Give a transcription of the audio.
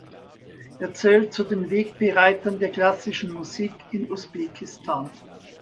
Er zählte zu den Wegbereitern der klassischen Musik in Usbekistan.